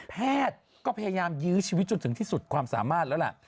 แพทย์ก็พยายามยื้อชีวิตจนถึงที่สุดความสามารถแล้วล่ะ